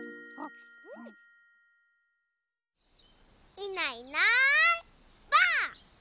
いないいないばあっ！